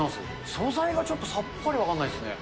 素材がちょっとさっぱり分からないですね。